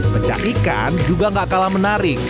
mencari ikan juga gak kalah menarik